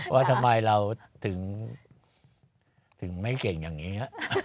ว่าทำไมเราถึงไม่เก่งอย่างนี้